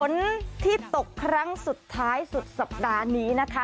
ฝนที่ตกครั้งสุดท้ายสุดสัปดาห์นี้นะคะ